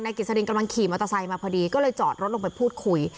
กิจสลินกำลังขี่มอเตอร์ไซค์มาพอดีก็เลยจอดรถลงไปพูดคุย